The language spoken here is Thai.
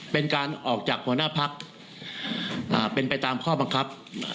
เป็นการออกจากหัวหน้าพักเป็นไปตามข้อบังคับ